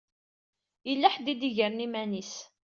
Yella ḥedd i d-igren iman-is.